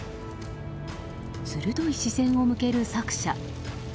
鋭い視線を向ける作者。